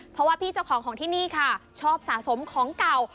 เพราะว่าพี่เจ้าของของที่นี่ค่ะชอบสะสมของเก่า